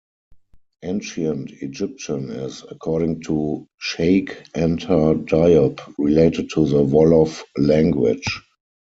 Ancient Egyptian is, according to Cheikh Anta Diop, related to the Wolof language.